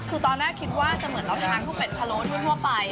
คือตอนแรกคิดว่าจะเหมือนเราทานพวกเป็ดพะโล้ทั่วไป